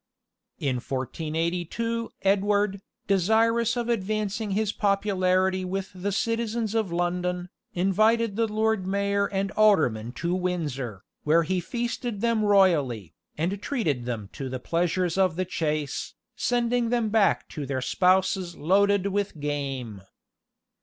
In 1482 Edward, desirous of advancing his popularity with the citizens of London, invited the lord mayor and aldermen to Windsor, where he feasted them royally, and treated them to the pleasures of the chase, sending them back to their spouses loaded with game.